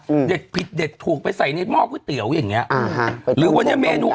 เด็ดผิดเด็ดถูกไปใส่ในหม้อก๋วยเตี๋ยวอย่างเงี้อ่าฮะหรือวันนี้เมนู